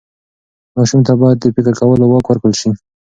ماشوم ته باید د فکر کولو واک ورکړل سي.